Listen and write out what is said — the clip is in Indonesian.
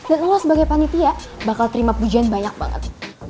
dan lo sebagai panitia bakal terima pujian banyak banget